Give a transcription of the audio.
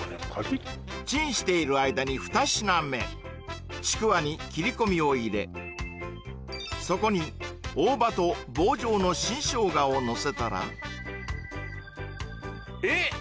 チンしている間に２品目ちくわに切り込みを入れそこに大葉と棒状の新生姜をのせたらえっ！？